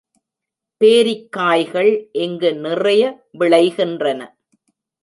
பேரிக்காய்கள் இங்கு நிறைய விளைகின்றன.